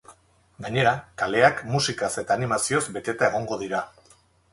Gainera, kaleak musikaz eta animazioz beteta egongo dira.